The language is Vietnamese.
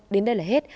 đến đây là hết